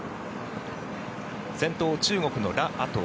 先頭、中国のラ・アトウ。